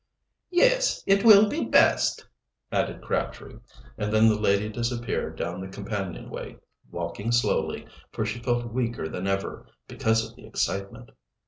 "Yes, it will be best," added Crabtree, and then the lady disappeared down the companion way, walking slowly, for she felt weaker than ever, because of the excitement.